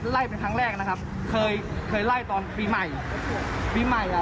ไล่เป็นครั้งแรกนะครับเคยเคยไล่ตอนปีใหม่ปีใหม่อ่ะ